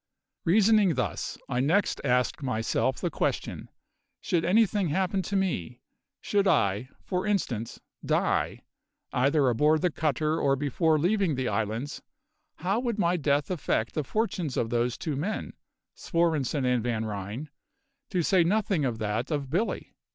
Reasoning thus, I next asked myself the question: Should anything happen to me should I, for instance, die, either aboard the cutter or before leaving the islands how would my death affect the fortunes of those two men, Svorenssen and Van Ryn, to say nothing of that of Billy?